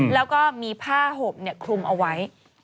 แล้วก็มีผ้าห่มคลุมเอาไว้